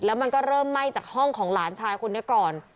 แล้วมันก็เริ่มไหม้จากห้องของหลานชายคนนี้ก่อน